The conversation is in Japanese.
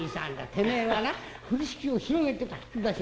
てめえはな風呂敷を広げてパッと出す。